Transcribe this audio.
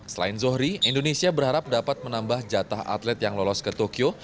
selain zohri indonesia berharap dapat menambah jatah atlet yang lolos ke tokyo